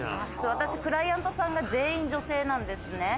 私、クライアントさんが全員女性なんですね。